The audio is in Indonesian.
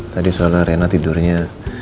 tadi soalnya reina tidurnya